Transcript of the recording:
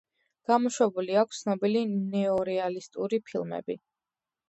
გამოშვებული აქვს ცნობილი ნეორეალისტური ფილმები,